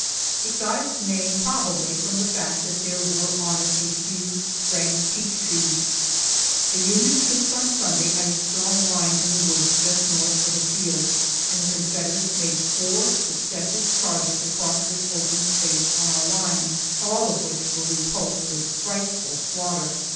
It got its name, probably, from the fact that there were on it a few scraggy peach trees. The Union troops on Sunday had a strong line in the woods just north of the field, and the Confederates made four successive charges across this open space on our line, all of which were repulsed with frightful slaughter.